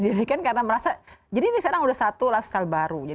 jadi kan karena merasa jadi ini sekarang sudah satu lifestyle baru